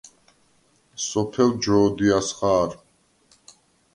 სოფელ ჯო̄დიას ხა̄რ.